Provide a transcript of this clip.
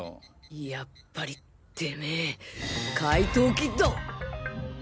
やっぱりてめぇ怪盗キッド！